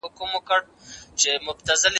د سود په وسیله د خلګو مالونه مه خورئ.